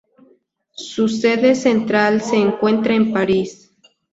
Su sede central se encuentra en París.